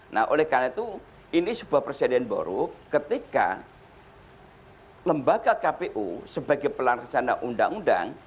nah oleh karena itu ini sebuah persediaan baru ketika lembaga kpu sebagai pelaksana undang undang